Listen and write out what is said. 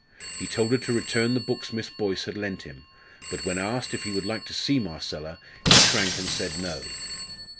He told her to return the books Miss Boyce had lent him, but when asked if he would like to see Marcella he shrank and said no.